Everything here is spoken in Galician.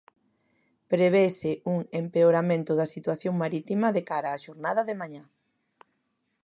Prevese un empeoramento da situación marítima de cara a xornada de mañá.